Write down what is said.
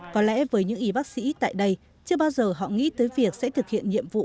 có lẽ với những y bác sĩ tại đây chưa bao giờ họ nghĩ tới việc sẽ thực hiện nhiệm vụ